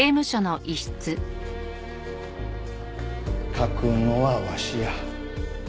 書くのはわしや。